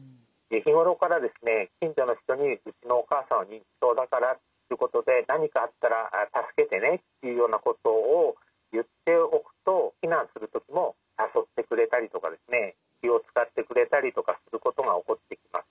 日頃から近所の人にうちのお母さんは認知症だからっていうことで何かあったら助けてねっていうようなことを言っておくと避難する時も誘ってくれたりとか気を遣ってくれたりとかすることが起こってきます。